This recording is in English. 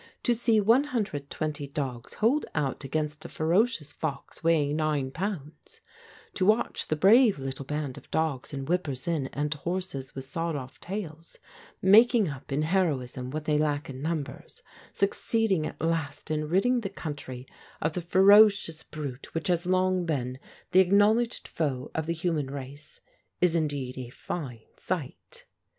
To see 120 dogs hold out against a ferocious fox weighing nine pounds; to watch the brave little band of dogs and whippers in and horses with sawed off tails, making up in heroism what they lack in numbers, succeeding at last in ridding the country of the ferocious brute which has long been the acknowledged foe of the human race, is indeed a fine sight.